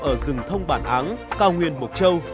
ở rừng thông bản áng cao nguyên mộc châu